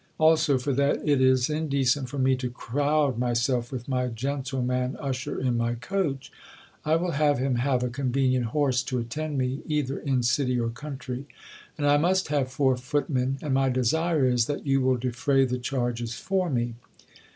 "Also, for that it is indecent for me to croud myself with my gentleman usher in my coach, I will have him have a convenient horse to attend me either in city or country; and I must have four footmen; and my desire is that you will defray the charges for me.